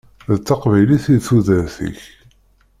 D taqbaylit i d tudert-ik.